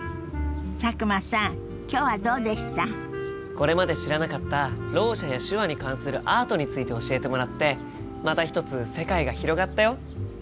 これまで知らなかったろう者や手話に関するアートについて教えてもらってまた一つ世界が広がったよ。